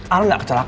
al gak kecelakaan